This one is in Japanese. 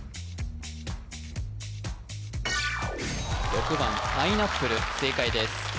６番パイナップル正解です